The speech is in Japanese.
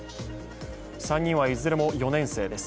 ３人はいずれも４年生です。